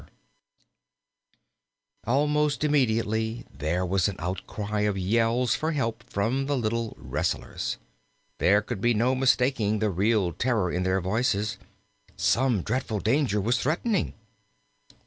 Almost immediately there was an outcry of yells for help from the little wrestlers. There could be no mistaking the real terror in their voices. Some dreadful danger was threatening.